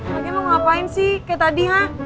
bukain mau ngapain sih kayak tadi ha